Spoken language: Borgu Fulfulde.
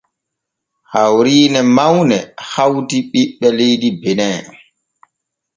Hawriine mawne hawti ɓiɓɓe leydi benin.